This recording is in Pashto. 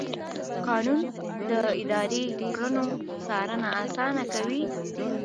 قانون د اداري کړنو څارنه اسانه کوي.